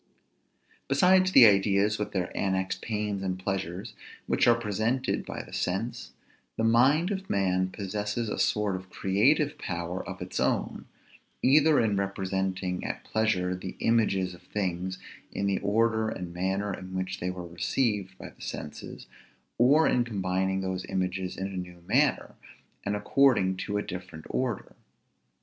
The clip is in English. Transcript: Besides the ideas, with their annexed pains and pleasures, which are presented by the sense; the mind of man possesses a sort of creative power of its own; either in representing at pleasure the images of things in the order and manner in which they were received by the senses, or in combining those images in a new manner, and according to a different order.